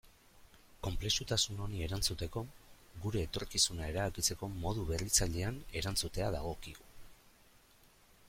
Konplexutasun honi erantzuteko, gure etorkizuna erabakitzeko modu berritzailean erantzutea dagokigu.